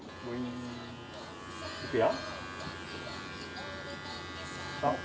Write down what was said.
いくよ。